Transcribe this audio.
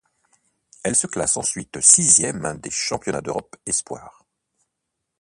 Elle se classe ensuite sixième des Championnats d'Europe espoirs.